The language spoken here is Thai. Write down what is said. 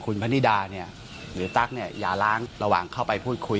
คุณพนิดาเนี่ยหรือตั๊กเนี่ยอย่าล้างระหว่างเข้าไปพูดคุย